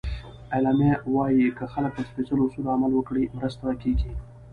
اعلامیه وایي که خلک پر سپیڅلو اصولو عمل وکړي، مرسته کېږي.